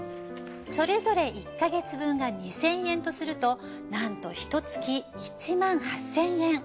それぞれ１ヵ月分が２，０００円とするとなんとひと月１８，０００円。